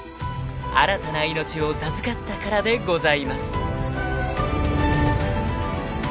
［新たな命を授かったからでございます］